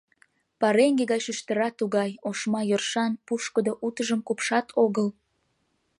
Пареҥге гай шӱштыра тугай, ошма йӧршан, пушкыдо, утыжым купшат огыл.